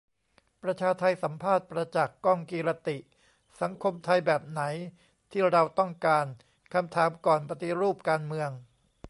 ประชาไทสัมภาษณ์ 'ประจักษ์ ก้องกีรติ' :'สังคมไทยแบบไหนที่เราต้องการ' คำถามก่อนปฏิรูปการเมือง